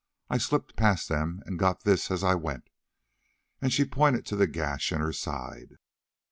I slipped past them and got this as I went," and she pointed to the gash in her side.